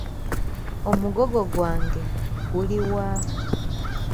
Omugogo gwange guli wa?